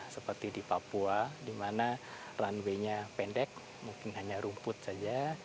seperti di papua di mana runway nya pendek mungkin hanya rumput saja